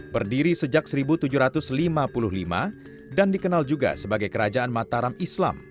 berdiri sejak seribu tujuh ratus lima puluh lima dan dikenal juga sebagai kerajaan mataram islam